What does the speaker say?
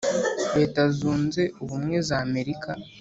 Leta z’unze ubumwe z’amerika.